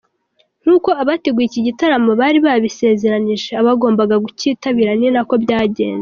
Nk’uko abateguye iki gitaramo bari babisezeranyije abagombaga kucyitabira ni nako byagenze.